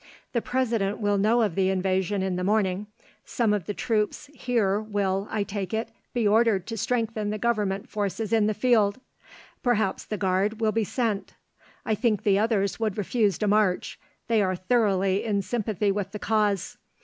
The President will know of the invasion in the morning; some of the troops here will, I take it, be ordered to strengthen the Government forces in the field. Perhaps the Guard will be sent. I think the others would refuse to march; they are thoroughly in sympathy with the Cause.